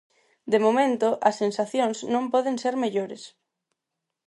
De momento, as sensacións non poden ser mellores.